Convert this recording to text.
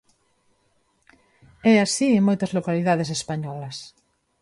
E así en moitas localidades españolas.